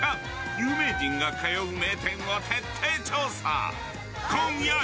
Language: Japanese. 有名人が通う名店を徹底調査！